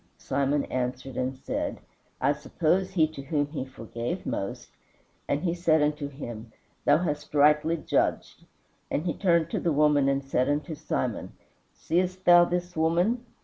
Simon answered and said, I suppose he to whom he forgave most. And he said unto him, Thou hast rightly judged. And he turned to the woman and said unto Simon, Seest thou this woman?